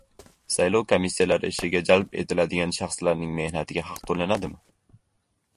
Saylov komissiyalari ishiga jalb etiladigan shaxslarning mehnatiga haq to‘lanadimi?